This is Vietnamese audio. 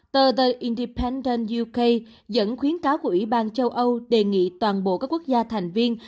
tờ the indipenden youca dẫn khuyến cáo của ủy ban châu âu đề nghị toàn bộ các quốc gia thành viên